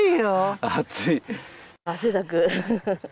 汗だく。